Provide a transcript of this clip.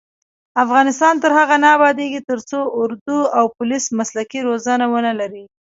افغانستان تر هغو نه ابادیږي، ترڅو اردو او پولیس مسلکي روزنه ونه لري.